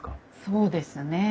そうですね。